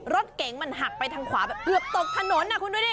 รถเก๋งมันหักไปทางขวาแบบเกือบตกถนนคุณดูดิ